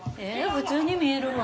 普通に見えるわ。